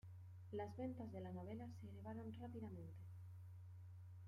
Las ventas de la novela se elevaron rápidamente.